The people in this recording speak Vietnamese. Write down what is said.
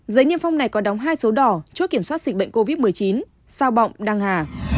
giấy niêm phong này có đóng hai số đỏ chốt kiểm soát dịch bệnh covid một mươi chín sao bọng đăng hà